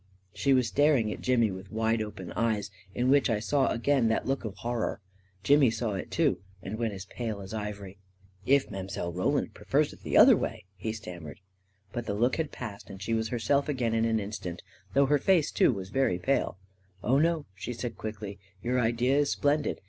She was staring at Jimmy with wide open eyes, in which I saw again that look of horror. Jimmy saw it, too, and went as pale as ivory. M If Mile. Roland prefers it the other way," he stammered. A KING IN BABYLON 79 But the look had passed and she was herself again in an instant, though her face, too, was very pale. " Oh, no," she said quickly. " Your idea is splen did.